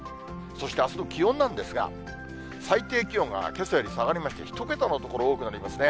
そしてあすの気温なんですが、最低気温がけさより下がりまして、１桁の所多くなりますね。